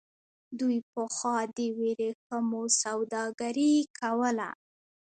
دوی پخوا د ورېښمو سوداګري کوله.